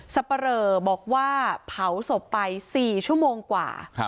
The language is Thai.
สับปะเรอบอกว่าเผาศพไป๔ชั่วโมงกว่า